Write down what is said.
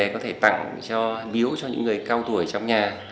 có thể tặng cho biếu cho những người cao tuổi trong nhà